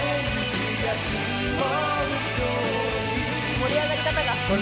盛り上がり方が古い。